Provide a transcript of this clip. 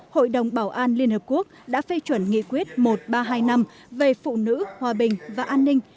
hội đồng bảo an liên hợp quốc đã phê chuẩn nghị quyết một nghìn ba trăm hai mươi năm về phụ nữ hòa bình và an ninh